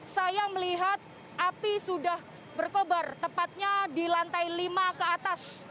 saya melihat api sudah berkobar tepatnya di lantai lima ke atas